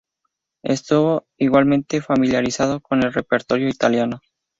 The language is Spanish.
Estuvo igualmente familiarizado con el repertorio italiano.